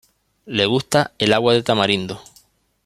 Le gusta el agua de tamarindo.